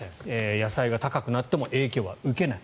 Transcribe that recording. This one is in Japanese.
野菜が高くなっても影響は受けない。